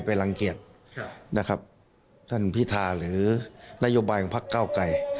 รังเกียจนะครับท่านพิธาหรือนโยบายของพักเก้าไกร